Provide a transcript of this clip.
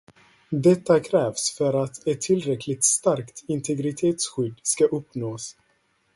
Detta krävs för att ett tillräckligt starkt integritetsskydd ska uppnås.